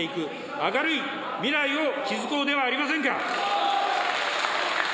明るい未来を築こうではありませんか。